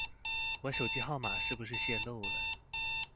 我手機號碼是不是洩露了